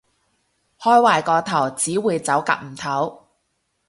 開壞個頭，只會走夾唔唞